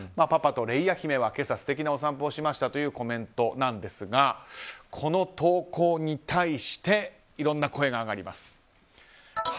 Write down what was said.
パパとレイア姫は今朝素敵なお散歩をしましたというコメントなんですがこの投稿に対していろんな声が上がります。